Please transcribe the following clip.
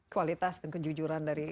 kualitas dan kejujuran dari